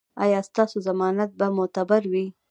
ایا ستاسو ضمانت به معتبر وي؟